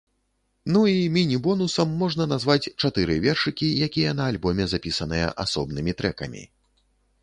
Ну і мінібонусам можна назваць чатыры вершыкі, якія на альбоме запісаныя асобнымі трэкамі.